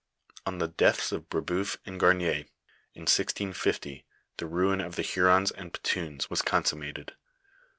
On the deaths of Brebeuf and Gamier, in 1650, the ruin of the Hurons and Petuns was con summated.